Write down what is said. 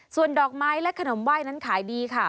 ส่วนดอกไม้และขนมไหว้นั้นขายดีค่ะ